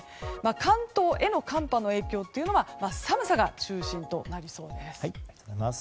関東への寒波の影響は寒さが中心となりそうです。